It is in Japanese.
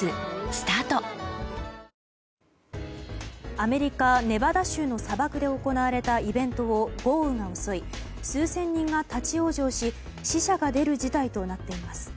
アメリカ・ネバダ州の砂漠で行われたイベントを豪雨が襲い数千人が立ち往生し死者が出る事態となっています。